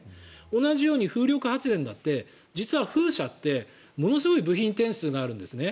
同じように風力発電だって実は風車ってものすごい部品点数があるんですね。